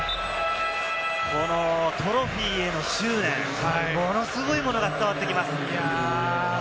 トロフィーへの執念、ものすごいものが伝わってきます。